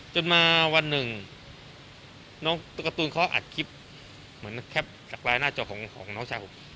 จนมาวันหนึ่งน้องตุ๊กการ์ตูนเขาอัดคลิปเหมือนแคปจากลายหน้าจอของน้องชายผม